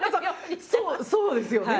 そうそうですよね。